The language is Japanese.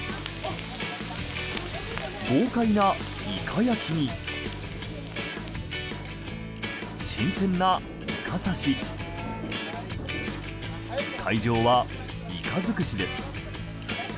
豪快なイカ焼きに新鮮なイカ刺し会場はイカ尽くしです。